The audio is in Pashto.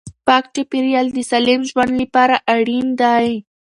پاک چاپیریال د سالم ژوند لپاره اړین دی.